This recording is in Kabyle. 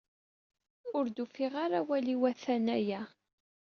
Ur d-ufiɣ ara awal iwatan aya.